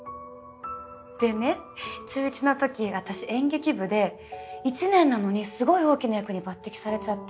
でね中１のとき私演劇部で１年なのにすごい大きな役に抜てきされちゃって。